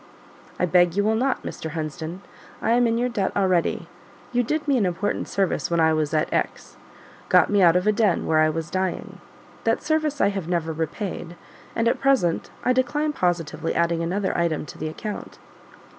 "I beg you will not, Mr. Hunsden; I am in your debt already; you did me an important service when I was at X ; got me out of a den where I was dying: that service I have never repaid, and at present I decline positively adding another item to the account."